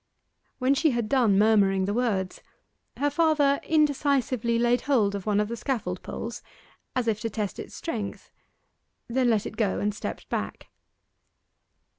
When she had done murmuring the words her father indecisively laid hold of one of the scaffold poles, as if to test its strength, then let it go and stepped back.